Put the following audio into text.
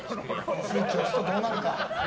スイッチを押すとどうなるか。